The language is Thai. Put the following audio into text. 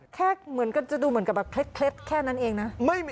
แค่เหมือนจะดูแค่เคล็ดแค่นั้นเองนะ